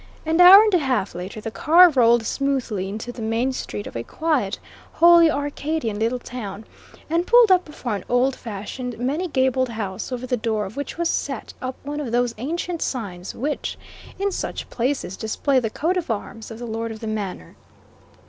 And hour and a half later the car rolled smoothly into the main street of a quiet, wholly Arcadian little town, and pulled up before an old fashioned many gabled house over the door of which was set up one of those ancient signs which, in such places, display the coat of arms of the lord of the manor.